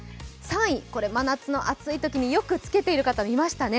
３位、これ真夏の暑い日によくつけている人いましたね。